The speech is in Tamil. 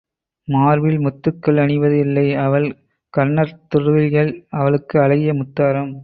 மார்பில் முத்துக்கள் அணிவது இல்லை அவள் கண்ணர்த் துளிகள் அவளுக்கு அழகிய முத்தாரம்.